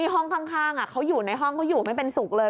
ห้องข้างอยู่ในห้องก็ไม่เป็นสุขเลย